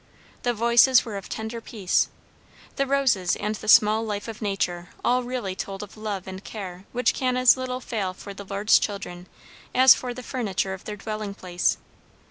The voices were of tender peace; the roses and the small life of nature all really told of love and care which can as little fail for the Lord's children as for the furniture of their dwelling place.